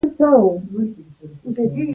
ما کتاب پرانیست.